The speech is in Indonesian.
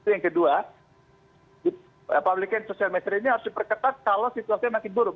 yang kedua public and social measure ini harus diperketat kalau situasinya makin buruk